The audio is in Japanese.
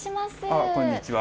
あっこんにちは。